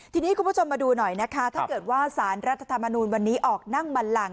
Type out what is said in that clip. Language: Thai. ทีนี้คุณผู้ชมมาดูหน่อยนะคะถ้าเกิดว่าสารรัฐธรรมนูลวันนี้ออกนั่งบันลัง